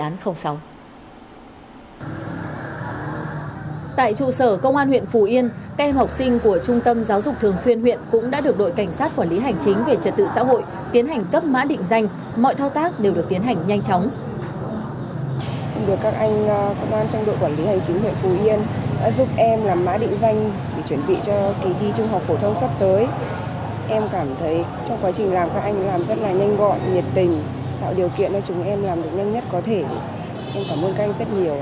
tại trụ sở công an huyện phù yên kem học sinh của trung tâm giáo dục thường xuyên huyện cũng đã được đội cảnh sát quản lý hành chính về trật tự xã hội tiến hành cấp mã định danh mọi thao tác đều được tiến hành nhanh chóng